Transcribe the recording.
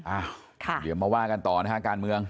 อ้าวเดี๋ยวมาว่ากันต่อนะฮะการเมือง